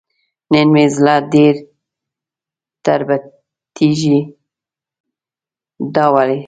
نن مې زړه ډېر تربتېږي دا ولې ؟